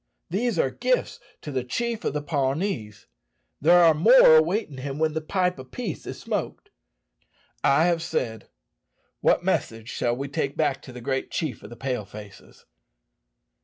These are gifts to the chief of the Pawnees. There are more awaiting him when the pipe of peace is smoked. I have said. What message shall we take back to the great chief of the Pale faces?"